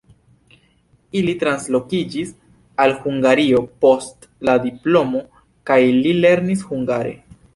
Ili translokiĝis al Hungario post la diplomo kaj li lernis hungare.